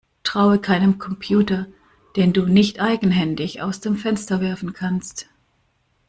Traue keinem Computer, den du nicht eigenhändig aus dem Fenster werfen kannst!